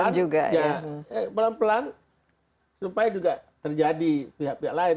secara pelan pelan ya pelan pelan supaya juga terjadi pihak pihak lain